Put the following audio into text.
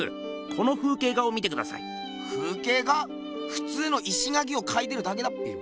ふつうの石垣を描いてるだけだっぺ。